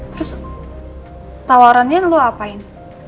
terus tawarannya lo apain